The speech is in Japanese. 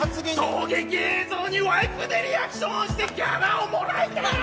衝撃映像にワイプでリアクションしてギャラをもらいたい！